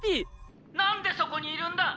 「何でそこにいるんだ！？」。